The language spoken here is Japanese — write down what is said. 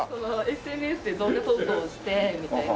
ＳＮＳで動画投稿をしてみたいな。